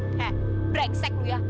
he brengsek lo ya